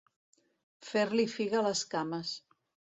Fer-li figa les cames.